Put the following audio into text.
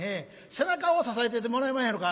背中を支えててもらえまへんやろか」。